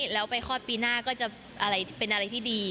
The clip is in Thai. แล้วไปคลอดปีหน้าก็จะเป็นอะไรที่ดี